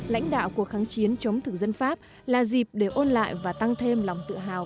lãnh đạo cuộc kháng chiến chống thực dân pháp là dịp để ôn lại và tăng thêm lòng tự hào